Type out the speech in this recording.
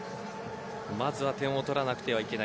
まずは点を取らなくてはいけない